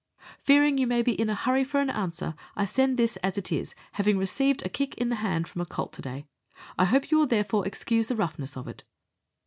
Fearing you may be in a hurry for an answer, I scud this as it is, having received a kick in the hand from a colt to day. I hope you will therefore excuse the roughness of it.